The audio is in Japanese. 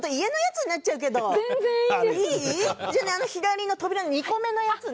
じゃあねあの左の扉の２個目のやつね。